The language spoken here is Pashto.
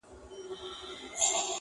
پر يارانو شنې پيالې ډكي له مُلو!.